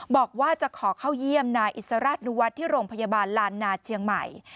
บอกว่าจะขอเข้าเยี่ยมนายอิสราชนุวัฒน์ที่โรงพยาบาลลานนาเชียงใหม่